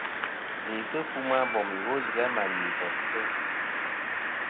Læsɨ fu ma bom iwo zɨ a mà ni bebsɨ.